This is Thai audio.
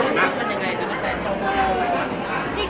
แล้วคุณวัฒนากับแต๊ง